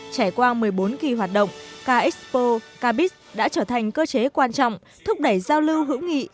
trải qua một mươi bốn kỳ hoạt động k expo cabis đã trở thành cơ chế quan trọng thúc đẩy giao lưu hữu nghị